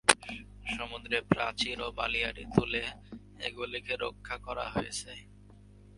সমুদ্রে প্রাচীর ও বালিয়াড়ি তুলে এগুলিকে রক্ষা করা হয়েছে।